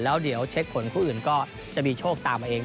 แล้วเดี๋ยวเช็คผลผู้อื่นก็จะมีโชคตามมาเอง